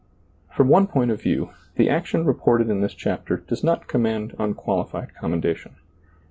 From one point of view, the action reported in this chapter does not command unqualified com mendation.